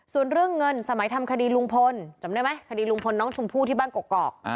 ส่วนเรื่องเงินสมัยทำคดีลุงพลจำได้ไหมคดีลุงพลน้องชมพู่ที่บ้านกอก